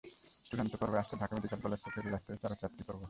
চূড়ান্ত পর্বে আসতে ঢাকা মেডিকেল কলেজকে পেরিয়ে আসতে হয়েছে আরও চারটি পর্ব।